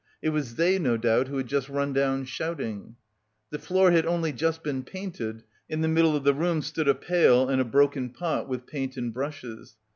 It was they, no doubt, who had just run down, shouting. The floor had only just been painted, in the middle of the room stood a pail and a broken pot with paint and brushes.